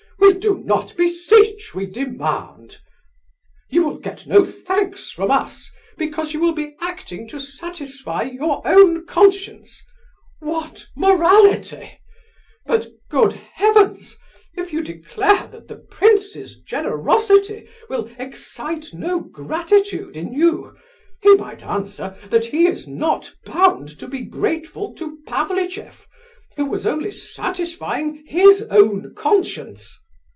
'We do not beseech, we demand, you will get no thanks from us, because you will be acting to satisfy your own conscience!' What morality! But, good heavens! if you declare that the prince's generosity will, excite no gratitude in you, he might answer that he is not, bound to be grateful to Pavlicheff, who also was only satisfying his own conscience.